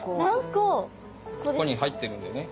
ここに入ってるんでね。